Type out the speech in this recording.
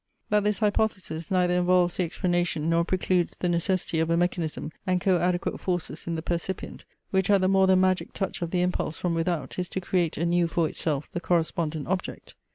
That this hypothesis neither involves the explanation, nor precludes the necessity, of a mechanism and co adequate forces in the percipient, which at the more than magic touch of the impulse from without is to create anew for itself the correspondent object.